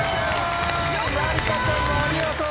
まりかちゃんもありがとう！